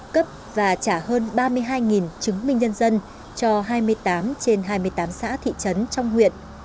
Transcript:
cấp và trả hơn ba mươi hai chứng minh nhân dân cho hai mươi tám trên hai mươi tám xã thị trấn trong huyện